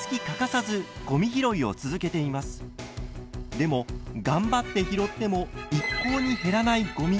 でも頑張って拾っても一向に減らないごみ。